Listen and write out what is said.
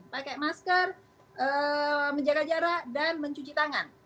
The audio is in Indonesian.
pakai masker menjaga jarak dan mencuci tangan